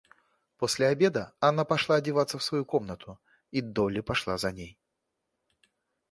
После обеда Анна пошла одеваться в свою комнату, и Долли пошла за ней.